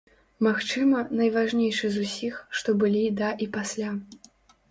Магчыма, найважнейшы з усіх, што былі да і пасля.